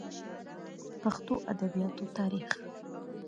پښتو ادبياتو تاريخ